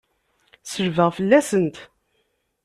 Selbeɣ fell-asent!